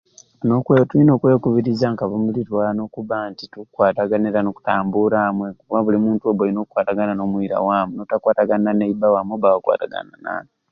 Nokwe tulina okwekubiriza ka ba mulirwano okubba nti tukkwatagana era no kutambuula amwe kuba buli muntu olina okubba nga okwatagana n'omwira waamu nobba nga tokkwatagana na mulirwana waamu wakwatagana na naani?